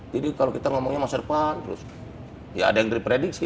jadi kalau kita ngomongnya masa depan ya ada yang di prediksi